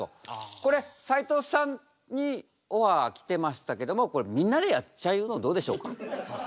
これ斉藤さんにオファー来てましたけどもこれみんなでやっちゃうのどうでしょうか？